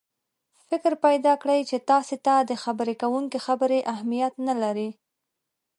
فکر پیدا کړي چې تاسې ته د خبرې کوونکي خبرې اهمیت نه لري.